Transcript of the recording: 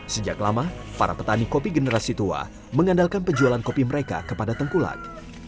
sejak lama para petani kopi generasi tua mengandalkan penjualan kopi mereka kepada tengkulak